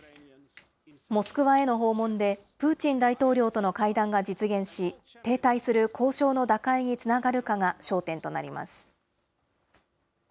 モスクワへの訪問で、プーチン大統領との会談が実現し、停滞する交渉の打開につながるかが焦点となります。